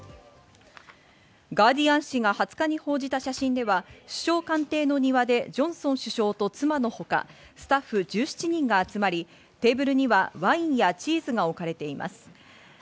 ガーディアン紙が２０日に報じた写真では首相官邸の庭でジョンソン首相と妻のほか、スタッフ１７人が集まり、テーブルにはワインやチーズが置かれています。